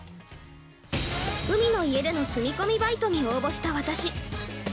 ◆海の家での住み込みバイトに応募した私。